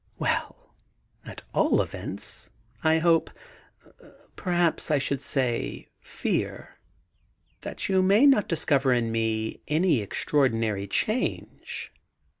Well t at all events I hope — perhaps I should say fear— that you may not discover in me any extraordinary change.